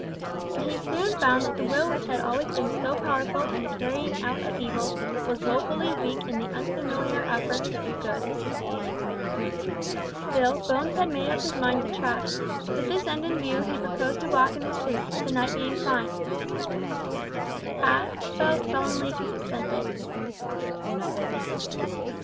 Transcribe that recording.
But he soon found that the will which had always been so powerful in the carrying out of evil was woefully weak in the unfamiliar effort to do good! Still, Bones had made up his mind to try. With this end in view he proposed a walk in the street, the night being fine. Aspel sullenly consented.